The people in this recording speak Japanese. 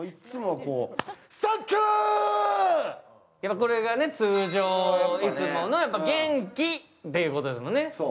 これが通常、いつもの元気ということですもんね。